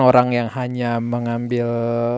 orang yang hanya mengambil